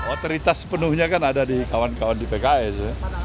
otoritas sepenuhnya kan ada di kawan kawan di pks